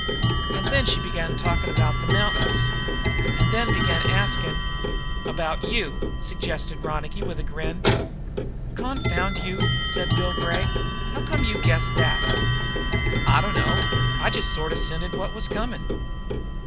And then she begun talking about the mountains, and then she begun asking "About you!" suggested Ronicky with a grin. "Confound you," said Bill Gregg. "How come you guessed that?" "I dunno. I just sort of scented what was coming."